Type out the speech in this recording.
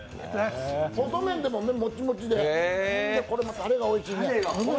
細麺でもね、もちもちでたれがおいしいね。